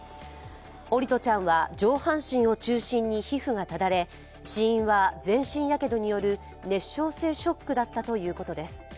桜利斗ちゃんは上半身を中心に皮膚がただれ、死因は全身やけどによる熱傷性ショックだったということです。